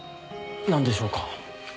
なんでしょうか？